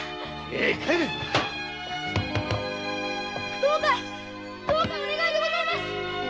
どうかお願いでございます。